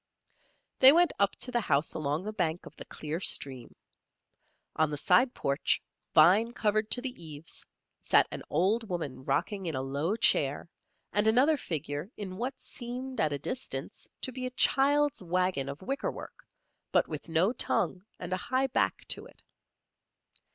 They went up to the house along the bank of the clear stream. On the side porch, vine covered to the eaves, sat an old woman rocking in a low chair and another figure in what seemed at a distance, to be a child's wagon of wickerwork, but with no tongue and a high back to it.